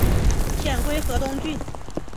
遣归河东郡。